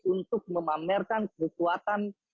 untuk memamerkan kekuatan